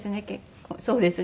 そうですね。